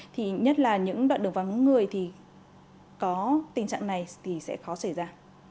thì nhất là những đoạn đường vắng người thì có tình trạng này thì sẽ khó xảy ra